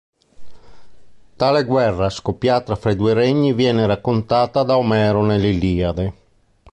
Tale guerra scoppiata fra i due regni viene raccontata da Omero nell'Iliade.